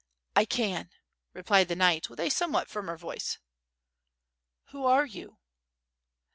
"[ can," replied the knight, with a somewhat firmer voice. "Who are you?"